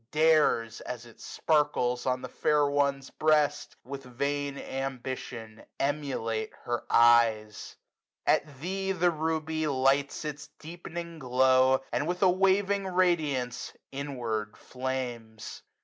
Dares, as it sparkles on the fair one's breast, 145 With vain ambition emulate her eyes. At thee the Ruby lights its deepening glow, And with a waving radiance inward flames.